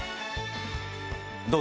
どう？